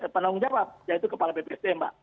penanggung jawab yaitu kepala bkpsdm pak